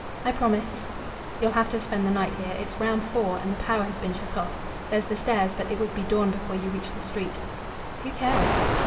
"I promise." "You'll have to spend the night here. It's round four, and the power has been shut off. There's the stairs, but it would be dawn before you reach the street." "Who cares?"